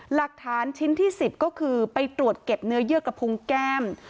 หลักฐานชิ้นที่๑๐ก็คือไปตรวจเก็บเนื้อเยื่อกระพุงแก้ม